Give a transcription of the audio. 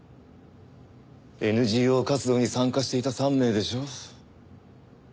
ＮＧＯ活動に参加していた３名でしょう？